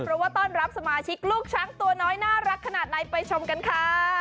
เพราะว่าต้อนรับสมาชิกลูกช้างตัวน้อยน่ารักขนาดไหนไปชมกันค่ะ